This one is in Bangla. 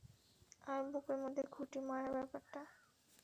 আর বুকের মধ্যে খুঁটি মারার ব্যাপারটা?